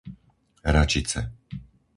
Račice